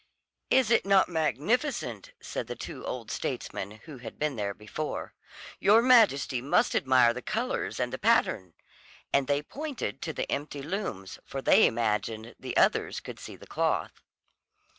"Is it not magnificent?" said the two old statesmen who had been there before. "Your Majesty must admire the colours and the pattern." And then they pointed to the empty looms, for they imagined the others could see the cloth.